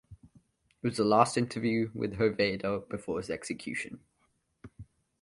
It was the last interview with Hoveyda before his execution.